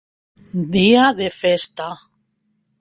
Dia de festa.